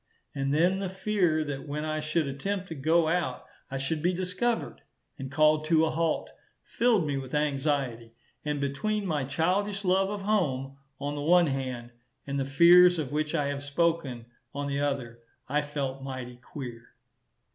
And then the fear that when I should attempt to go out, I should be discovered and called to a halt, filled me with anxiety; and between my childish love of home, on the one hand, and the fears of which I have spoken, on the other, I felt mighty queer.